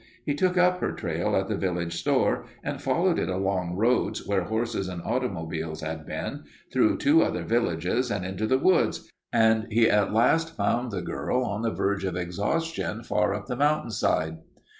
He took up her trail at the village store and followed it along roads where horses and automobiles had been, through two other villages, and into the woods, and he at last found the girl on the verge of exhaustion far up the mountainside.